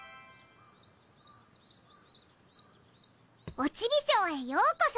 オチビショーへようこそ！